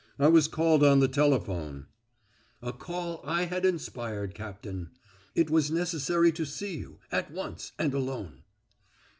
"I was called on the telephone." "A call I had inspired, Cap tain. It was necessary to see you at once and alone."